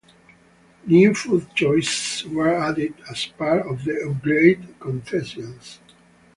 New food choices were added as part of the upgraded concessions.